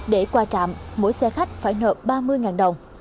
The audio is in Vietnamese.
để qua trạm mỗi xe khách phải nợ ba mươi đồng